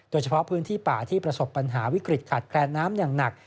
โดยเฉพาะพื้นที่ป่าที่ประสบปัญหาวิกฤตขาดแคลนน้ำอย่างหนัก